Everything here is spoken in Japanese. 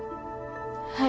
はい。